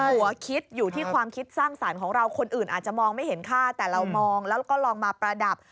หัวคิดอยู่ที่ความคิดสร้างสรรค์ของเราคนอื่นอาจจะมองไม่เห็นค่าแต่เรามองแล้วก็ลองมาประดับ